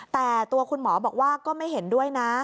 แต่ตัวคุณหมอบอกว่าก็ไม่เห็นด้วยนะ